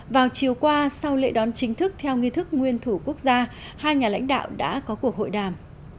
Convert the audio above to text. vào chiều qua sau lễ đón chính thức theo nghi thức nguyên thủ quốc gia hai nhà lãnh đạo đã có cuộc hội đàm